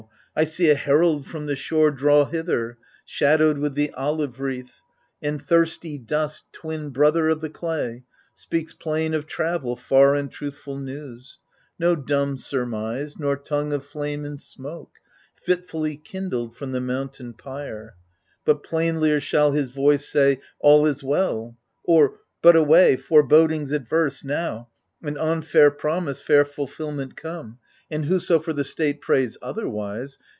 I see a herald from the shore Draw hither, shadowed with the olive wreath — And thirsty dust, twin brother of the clay, Speaks plain of travel far and truthful news — No dumb surmise, nor tongue of flame in smoke. Fitfully kindled from the mountain pyre ; But plainlier shall his voice say. All is well^ Or — but away, forebodings adverse, now. And on fair promise fair fulfilment come 1 And whoso for the state prays otherwise.